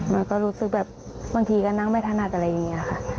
มันก็รู้สึกแบบบางทีก็นั่งไม่ถนัดอะไรอย่างนี้ค่ะ